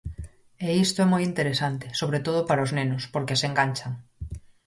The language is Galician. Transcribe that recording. E isto é moi interesante, sobre todo para os nenos, porque as enganchan.